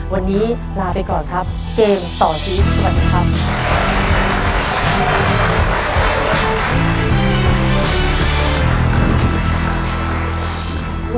วันนี้ลาไปก่อนครับเกมต่อชีวิตสวัสดีครับ